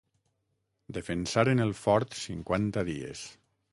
Defensaren el fort cinquanta dies.